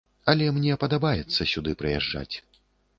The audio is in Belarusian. Але мне падабаецца сюды прыязджаць.